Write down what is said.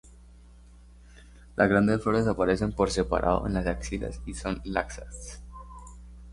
Las grandes flores aparecen por separado en las axilas y son laxas.